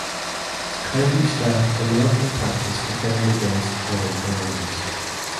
County staff cannot in practice defend against foreign governments.